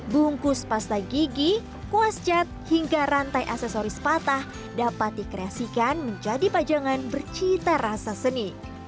bungkus pasta gigi kuas cat hingga rantai aksesoris patah dapat dikreasikan menjadi pajangan bercita rasa seni